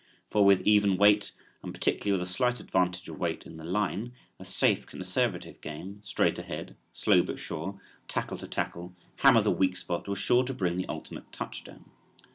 For with even weight and particularly with a slight advantage of weight in the line, a safe, conservative game, straight ahead, slow but sure, tackle to tackle, hammer the weak spot, was sure to bring the ultimate touchdown.